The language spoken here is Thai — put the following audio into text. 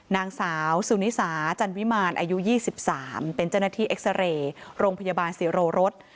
นางสาวสุนิสาจันวิมารอายุ๒๓เป็นเจ้าหน้าที่เอ็กซาเรย์โรงพยาบาลศิโรรส